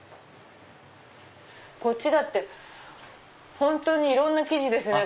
こっちだって本当にいろんな生地ですね。